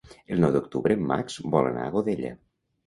El nou d'octubre en Max vol anar a Godella.